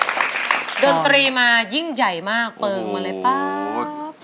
ดนตรีมายิ่งใหญ่มากเปิงมาเลยป๊าบ